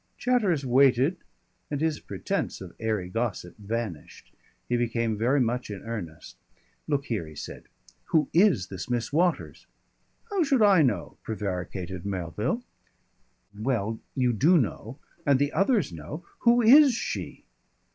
Chatteris waited and his pretence of airy gossip vanished. He became very much in earnest. "Look here," he said. "Who is this Miss Waters?" "How should I know?" prevaricated Melville. "Well, you do know. And the others know. Who is she?"